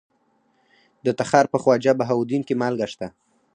د تخار په خواجه بهاوالدین کې مالګه شته.